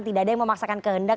tidak ada yang memaksakan kehendak